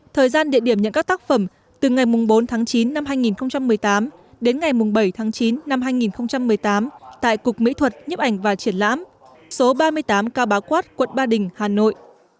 thời gian địa điểm nhận các tác phẩm từ ngày bốn tháng chín năm hai nghìn một mươi tám đến ngày bảy tháng chín năm hai nghìn một mươi tám tại cục mỹ thuật nhấp ảnh và triển lãm số ba mươi tám ca bá quát quận ba đình hà nội